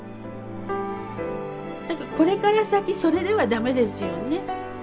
これから先それでは駄目ですよね。